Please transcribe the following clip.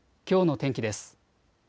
きょうの天気です。